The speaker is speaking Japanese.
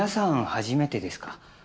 初めてですか？